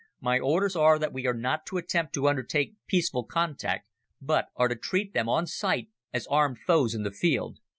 My orders are that we are not to attempt to undertake peaceful contact, but are to treat them on sight as armed foes in the field.